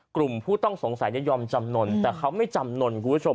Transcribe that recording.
กลุ่มผู้ต้องสงสัยยอมจำนวนแต่เขาไม่จำนวนคุณผู้ชม